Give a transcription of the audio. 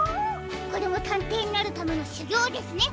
これもたんていになるためのしゅぎょうですね！